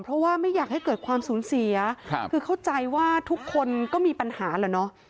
เพราะว่าไม่อยากให้เกิดความสูญเสียคือเข้าใจว่าทุกคนก็มีปัญหาเหรอเนาะ